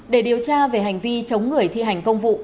để điều tra về hành vi chống người thi hành công vụ